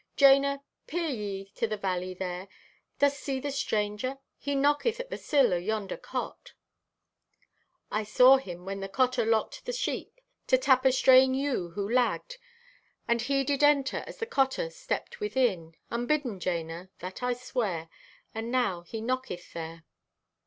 "Jana, peer ye to the valley there. Doth see the Stranger? He knocketh at the sill o' yonder cot. "I saw him when the cotter locked the sheep to tap a straying ewe who lagged, and he did enter as the cotter stepped within—unbidden, Jana, that I swear—and now he knocketh there!"